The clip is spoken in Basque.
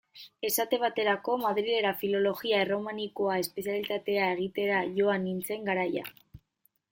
Esate baterako, Madrilera Filologia Erromanikoa espezialitatea egitera joan nintzen garaia.